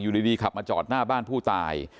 อยู่ดีขับมาจอดหน้าบ้านผู้ตาย